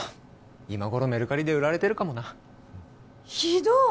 今頃メルカリで売られてるかもなひどい！